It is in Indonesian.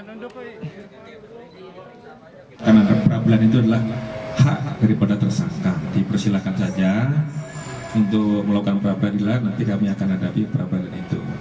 untuk melakukan pra pradilan nanti kami akan hadapi pra pradilan itu